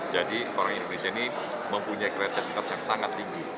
jadi orang indonesia ini mempunyai kreativitas yang sangat tinggi